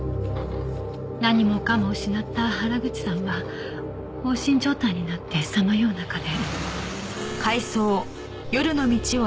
何もかも失った原口さんは放心状態になってさまよう中で。